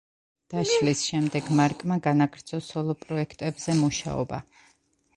დაშლის შემდეგ მარკმა განაგრძო სოლო პროექტებზე მუშაობა.